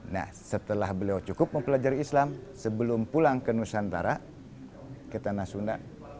nah setelah beliau cukup mempelajari islam sebelum pulang ke nusantara ke tanah sunda